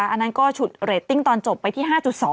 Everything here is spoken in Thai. อันนั้นก็ฉุดเรตติ้งตอนจบไปที่๕๒